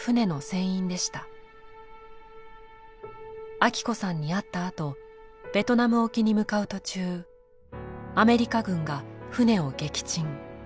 アキ子さんに会ったあとベトナム沖に向かう途中アメリカ軍が船を撃沈。